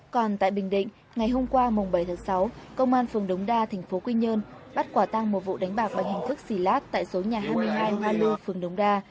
còn tại bình định ngày hôm qua mùng bảy tháng sáu công an phường đống đa tp quy nhơn bắt quả tang một vụ đánh bạc bằng hình thức xỉ lát tại số nhà hai mươi hai hoa lư phường đống đa